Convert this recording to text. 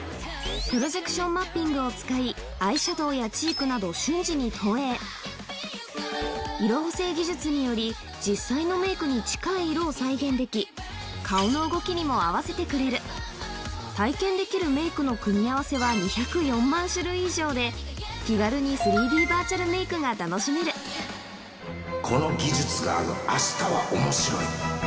プロジェクションマッピングを使いアイシャドーやチークなどを瞬時に投影色補正技術により実際のメイクに近い色を再現でき体験できるメイクの組み合わせは気軽に ３Ｄ バーチャルメイクが楽しめるこの技術があるあしたは面白い